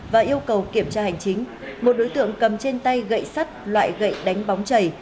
và yêu cầu kiểm tra hành chính một đối tượng cầm trên tay gậy sắt loại gậy đánh bóng chảy